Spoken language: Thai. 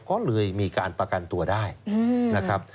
ก็เลยมีการประกันตัวได้นะครับ